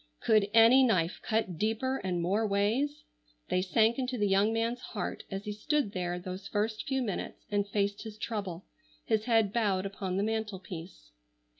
Could any knife cut deeper and more ways? They sank into the young man's heart as he stood there those first few minutes and faced his trouble, his head bowed upon the mantel piece.